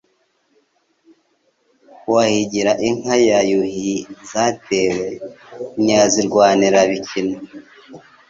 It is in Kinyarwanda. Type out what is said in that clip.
Wahigira inka za Yuhi zatewe Ntiyazirwanira bikino.